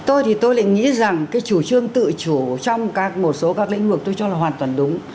tôi thì tôi lại nghĩ rằng cái chủ trương tự chủ trong một số các lĩnh vực tôi cho là hoàn toàn đúng